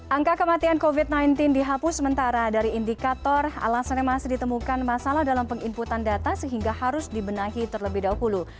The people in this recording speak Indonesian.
angka kematian covid sembilan belas dihapus sementara dari indikator alasannya masih ditemukan masalah dalam penginputan data sehingga harus dibenahi terlebih dahulu